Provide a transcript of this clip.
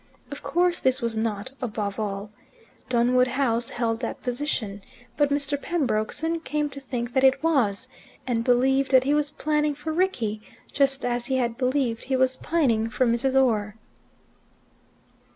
Of course this was not "above all." Dunwood House held that position. But Mr. Pembroke soon came to think that it was, and believed that he was planning for Rickie, just as he had believed he was pining for Mrs. Orr.